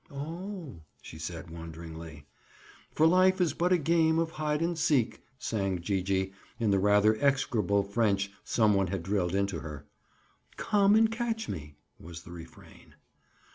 "Oh!" she said wonderingly. "For life is but a game of hide and seek," sang Gee gee, in the rather execrable French some one had drilled into her. "Come and catch me," was the refrain.